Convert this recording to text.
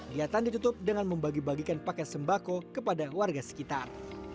giatan ditutup dengan membagi bagikan paket sembako kepada warga sekitar